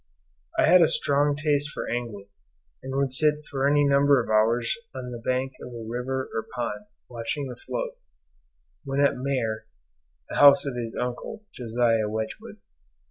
I had a strong taste for angling, and would sit for any number of hours on the bank of a river or pond watching the float; when at Maer (The house of his uncle, Josiah Wedgwood.)